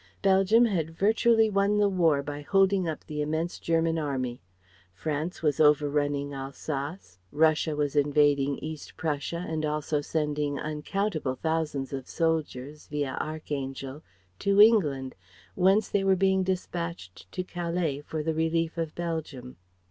Belgium had virtually won the war by holding up the immense German army. France was overrunning Alsace, Russia was invading East Prussia and also sending uncountable thousands of soldiers, via Archangel, to England, whence they were being despatched to Calais for the relief of Belgium.